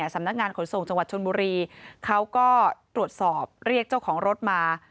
สำนักงานขนส่งจังหวัดชนบุรีเขาก็ตรวจสอบเรียกเจ้าของรถมา